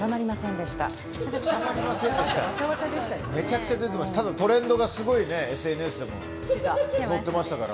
でも、トレンドがすごいＳＮＳでも載っていましたから。